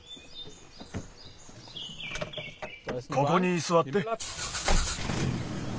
ここにすわって。